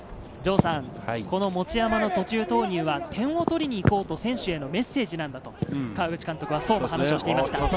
持山の途中投入は点を取りにいこうと選手へのメッセージなんだと川口監督はそうも話をしていました。